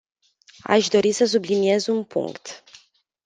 Aș dori să subliniez un punct.